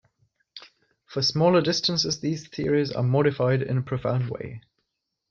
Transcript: For smaller distances these theories are modified in a profound way.